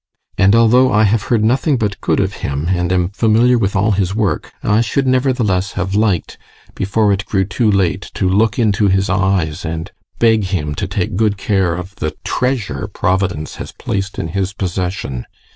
And although I have heard nothing but good of him, and am familiar with all his work, I should nevertheless have liked, before it grew too late, to look into his eyes and beg him to take good care of the treasure Providence has placed in his possession.